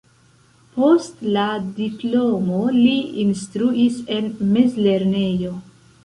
Post la diplomo li instruis en mezlernejo.